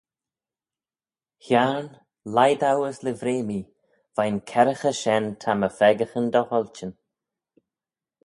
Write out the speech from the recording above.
Hiarn leih dou as livrey mee, veih'n kerraghey shen ta my pheccaghyn dy hoilçhin.